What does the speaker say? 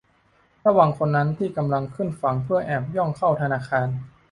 ระวังคนนั้นที่กำลังขึ้นฝั่งเพื่อแอบย่องเข้าธนาคาร